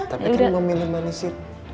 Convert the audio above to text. tapi kan mau minum manisit